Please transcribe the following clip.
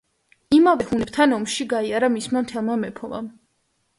იმავე ჰუნებთან ომში გაიარა მისმა მთელმა მეფობამ.